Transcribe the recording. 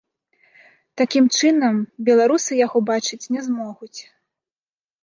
Такім чынам, беларусы яго бачыць не змогуць.